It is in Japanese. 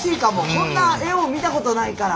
こんな絵を見たことないから。